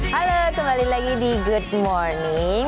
halo kembali lagi di good morning